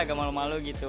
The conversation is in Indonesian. agak malu malu gitu